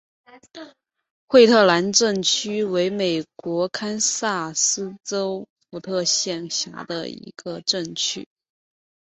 惠特兰镇区为美国堪萨斯州福特县辖下的镇区。